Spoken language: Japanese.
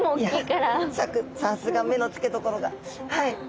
さすが目の付けどころがはい。